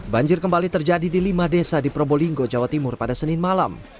banjir kembali terjadi di lima desa di probolinggo jawa timur pada senin malam